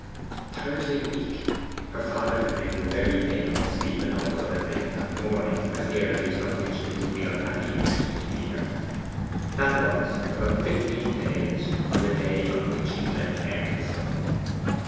Thursday week. Her father had named the very day that Stephen also had named that morning as the earliest on which it would be of any use to meet her; that was, about fifteen days from the day on which he had left Endelstow.